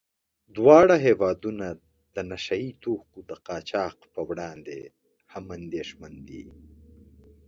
دواړه هېوادونه د نشه يي توکو د قاچاق په وړاندې هم اندېښمن دي.